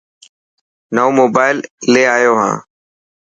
نئون موبائل لي آيو هان.